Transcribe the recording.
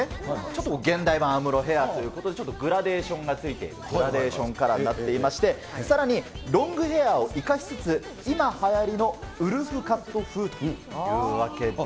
ちょっと現代版アムロヘアーということで、ちょっとグラデーションがついているグラデーションカラーになっていまして、さらにロングヘアーを生かしつつ、今はやりのウルフカット風というわけで。